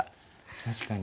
確かに。